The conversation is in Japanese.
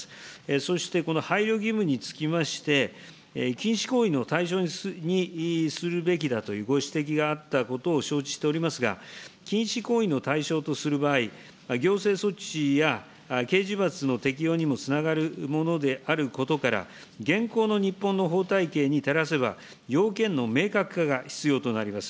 そしてこの配慮義務につきまして、禁止行為の対象にするべきだというご指摘があったことを承知しておりますが、禁止行為の対象とする場合、行政措置や、刑事罰の適用にもつながるものであることから、現行の日本の法体系にてらせば、要件の明確化が必要となります。